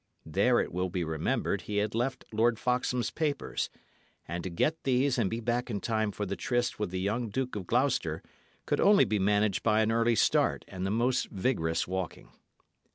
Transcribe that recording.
There, it will be remembered, he had left Lord Foxham's papers; and to get these and be back in time for the tryst with the young Duke of Gloucester could only be managed by an early start and the most vigorous walking.